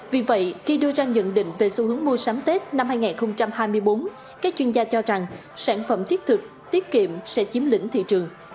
vì vậy khi đưa ra nhận định về xu hướng mua sắm tết năm hai nghìn hai mươi bốn các chuyên gia cho rằng sản phẩm thiết thực tiết kiệm sẽ chiếm lĩnh thị trường